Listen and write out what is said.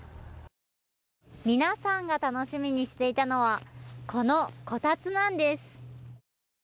皆さんが楽しみにしていたのはこの、こたつなんです。